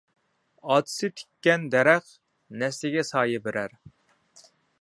ئاتىسى تىككەن دەرەخ، نەسلىگە سايە بېرەر.